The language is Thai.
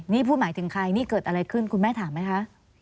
นี่พูดหมายถึงใครนี่เกิดอะไรขึ้นคุณแม่ถามไหมคะ